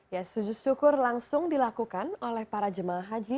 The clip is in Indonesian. ya sujud syukur langsung dilakukan oleh para jemaah haji